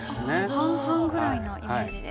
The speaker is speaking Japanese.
半々ぐらいなイメージで。